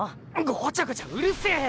ごちゃごちゃうるせえ！